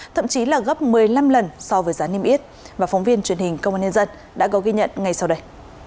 thậm chí là gấp một mươi năm lần so với giá niêm yết và phóng viên truyền hình công an nhân dân đã có ghi nhận ngay sau đây